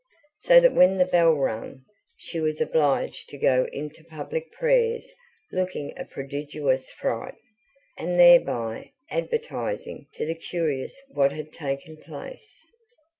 So that when the bell rang, she was obliged to go in to public prayers looking a prodigious fright, and thereby advertising to the curious what had taken place.